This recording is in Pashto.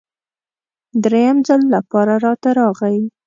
دریم ځل لپاره راته راغی.